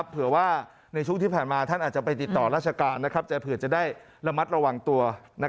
เผื่อว่าในช่วงที่ผ่านมาท่านอาจจะไปติดต่อราชการแต่เผื่อจะได้ระมัดระวังตัว